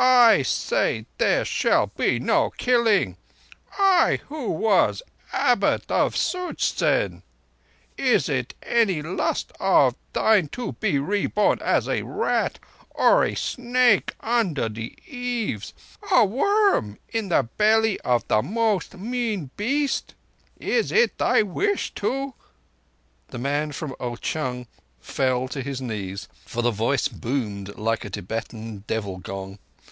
I say there shall be no killing—I who was Abbot of Such zen. Is it any lust of thine to be re born as a rat, or a snake under the eaves—a worm in the belly of the most mean beast? Is it thy wish to—" The man from Ao chung fell to his knees, for the voice boomed like a Tibetan devil gong.